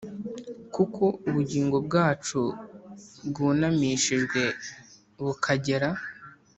Kuko ubugingo bwacu bwunamishijwe bukagera